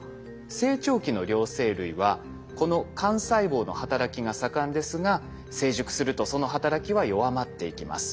成長期の両生類はこの幹細胞の働きが盛んですが成熟するとその働きは弱まっていきます。